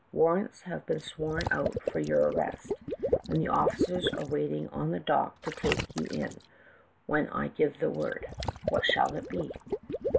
Warrants have been sworn out for your arrest, and the officers are waiting on the dock to take you in, when I give the word. What shall it be